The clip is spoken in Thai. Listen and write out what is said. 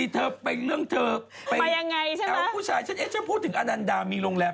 ฉันเองฉันพูดถึงอานานดามีโรงแล้ว